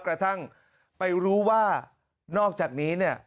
กระทั่งไปรู้ว่านอกจากนี้เนี่ย